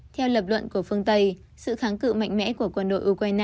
theo lập luận của phương tây sự kháng cự mạnh mẽ của nga là một lý do để đối xử với quân đội nga